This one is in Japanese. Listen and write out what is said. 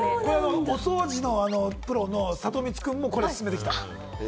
お掃除のプロのサトミツくんもこれ薦めてきた。